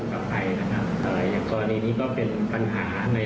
ก็จะมีความชัดเจนให้กับเจ้าหน้าที่